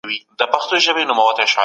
چارواکو به نړیوال اصول منل.